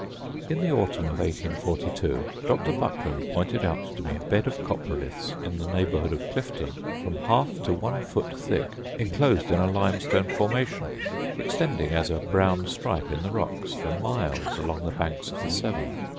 In the autumn of 1842, Dr. Buckland pointed out to me a bed of coprolithes in the neighbourhood of Clifton, from half to one foot thick, inclosed in a limestone formation, extending as a brown stripe in the rocks, for miles along the banks of the Severn.